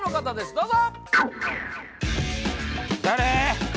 どうぞ誰？